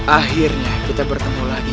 akhirnya kita bertemu lagi